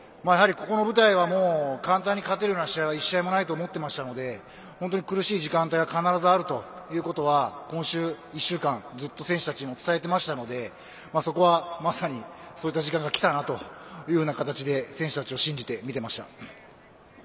ここの舞台は簡単に勝てるような試合は１試合もないと思っていましたので本当に苦しい時間帯は必ずあるということは今週１週間、ずっと選手たちにも伝えていましたのでそこはまさにそういった時間が来たなという形で選手たちを信じて見ていました。